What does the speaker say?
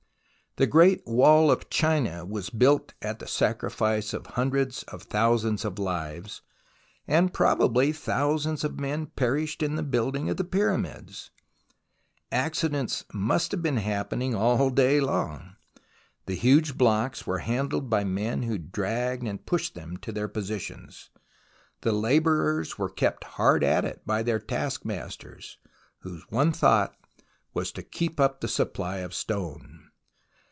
The Great Wall of China was built at the sacrifice of hundreds of thousands of fives, and probably thousands of men perished in the building of the Pyramids. Accidents must have been happening all day long. The huge blocks were handled by men who dragged and pushed them to their positions. The labourers were kept hard at it by their taskmasters, whose one thought was to keep up the supply of stone.